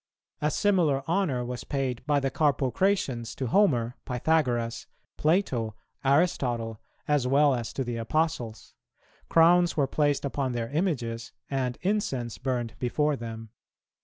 A similar honour was paid by the Carpocratians to Homer, Pythagoras, Plato, Aristotle, as well as to the Apostles; crowns were placed upon their images, and incense burned before them.